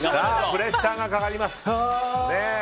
プレッシャーがかかります。